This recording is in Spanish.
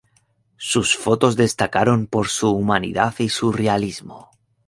Sus fotos destacaron por su humanidad y su realismo.